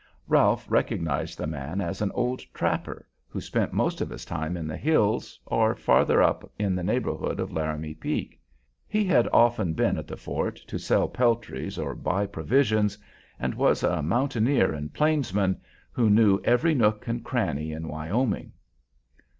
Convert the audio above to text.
Ralph recognized the man as an old trapper who spent most of his time in the hills or farther up in the neighborhood of Laramie Peak. He had often been at the fort to sell peltries or buy provisions, and was a mountaineer and plainsman who knew every nook and cranny in Wyoming.